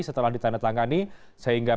setelah ditandatangani sehingga